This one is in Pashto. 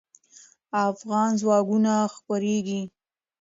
افغان ځواکونه خپرېږي.